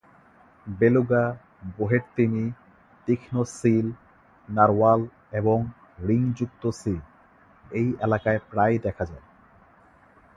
Beluga, bowhead তিমি, তীক্ষ্ণ সীল, নারওয়াল এবং রিংযুক্ত সীল এই এলাকায় প্রায়ই দেখা যায়।